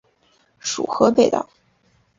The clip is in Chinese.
属河北道。